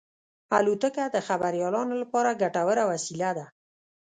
الوتکه د خبریالانو لپاره ګټوره وسیله ده.